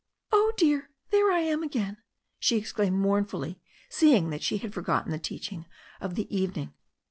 "Oh, dear! There I am again," she exclaimed mourn fully, seeing that she had forgotten the teaching of the evening.